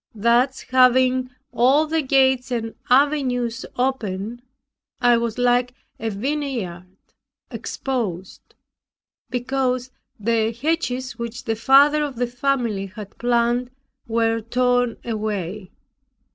Thus having all the gates and avenues open, I was like a vineyard exposed, because the hedges which the father of the family had planted were torn away.